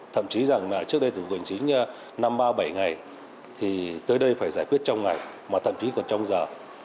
thậm chí rằng là trước đây từ tuần chính năm bảy ngày thì tới đây phải giải quyết trong ngày mà thậm chí còn trong giờ